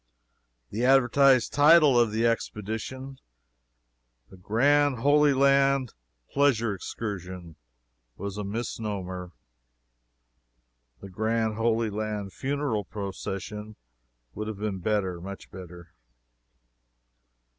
The advertised title of the expedition "The Grand Holy Land Pleasure Excursion" was a misnomer. "The Grand Holy Land Funeral Procession" would have been better much better.